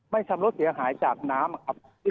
ทำรถเสียหายจากน้ำนะครับ